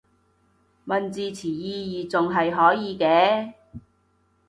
問字詞意義仲係可以嘅